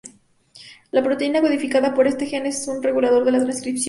La proteína codificada por este gen es un regulador de la transcripción.